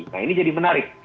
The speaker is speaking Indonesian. nah ini jadi menarik